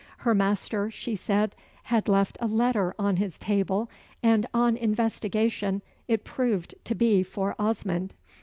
Her master, she said, had left a letter on his table, and on investigation it proved to be for Osmond.